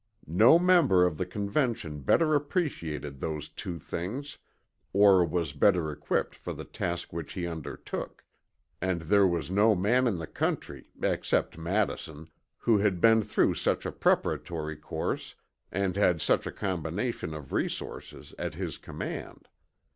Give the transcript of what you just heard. No member of the Convention better appreciated those two things, or was better equipped for the task which he undertook; and there was no man in the country, except Madison, who had been through such a preparatory course and had such a combination of resources at his command.